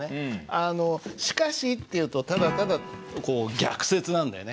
「しかし」っていうとただただこう逆接なんだよね。